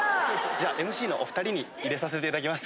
じゃあＭＣのお２人に入れさせていただきます。